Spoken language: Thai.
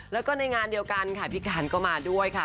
แล้วก็ในงานเดียวกันค่ะพี่การก็มาด้วยค่ะ